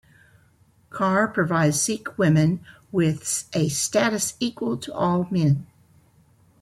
Kaur provides Sikh women with a status equal to all men.